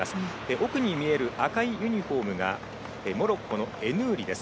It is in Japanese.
奥に見える赤いユニフォームがモロッコのエヌーリです。